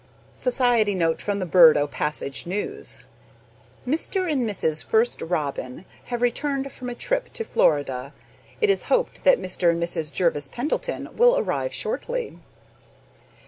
Society note from the BIRD O' PASSAGE NEWS: "Mr. and Mrs. First Robin have returned from a trip to Florida. It is hoped that Mr. and Mrs. Jervis Pendleton will arrive shortly."